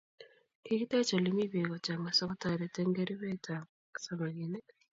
Kiki tech olimii bek kochanga sokotaret eng keribet ab samakinik.